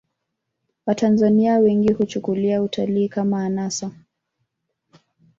watanzania wengi huchukulia utalii kama anasa